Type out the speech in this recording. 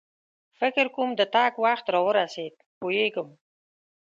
فکر کوم د تګ وخت را ورسېد، پوهېږم.